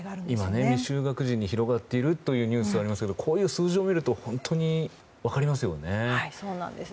今、未就学児に広がっているというニュースがありますがこういう数字を見ると本当に分かりますよね。